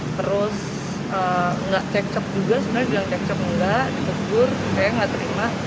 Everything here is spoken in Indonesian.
terus nggak cekcok juga sebenarnya bilang cekcok enggak ditegur kayaknya nggak terima